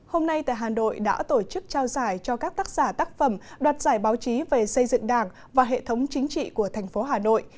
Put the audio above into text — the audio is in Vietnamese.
hôm nay tại hà nội đã tổ chức trao giải cho các tác giả tác phẩm đoạt giải báo chí về xây dựng đảng và hệ thống chính trị của thành phố hà nội